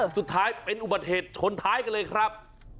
สุดท้ายเป็นอุบัติเหตุชนท้ายกันเลยครับ